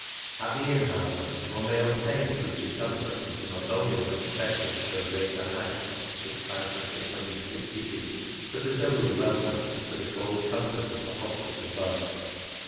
At the Inn, however, one may obtain creature com forts that are not only unexpected at so great a height (6,660 ft.), but are doubly welcome after the cold comfort of the Hospice above.